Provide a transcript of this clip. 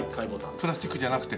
プラスチックじゃなくて。